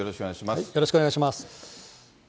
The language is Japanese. よろしくお願いします。